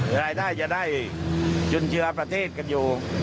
เวลาไหร่จะได้จุลเชือกับประเทศกันอยู่